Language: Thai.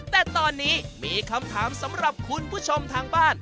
แต่ตอนนี้มีคำถามสำหรับคุณผู้ชมทางบ้าน